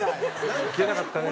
ウケなかったね。